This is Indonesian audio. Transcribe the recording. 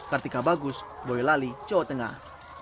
ketika bagus boyo lali jawa tengah